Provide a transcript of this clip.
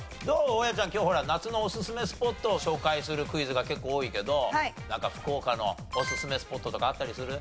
大家ちゃん今日夏のおすすめスポットを紹介するクイズが結構多いけどなんか福岡のおすすめスポットとかあったりする？